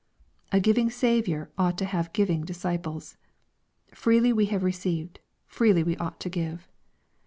A giving Saviour ought to have giving disciples. Freely we have received : freely we ought to give.